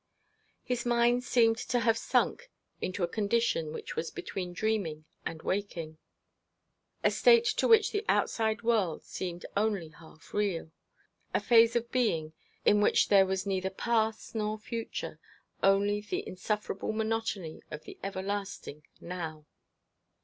His mind seemed to have sunk into a condition which was between dreaming and waking, a state to which the outside world seemed only half real a phase of being in which there was neither past nor future, only the insufferable monotony of an everlasting now.